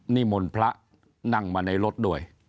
นิมนต์พระนั่งมาในรถด้วย